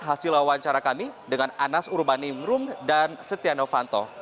wawancara kami dengan anas urbani imrum dan setia novanto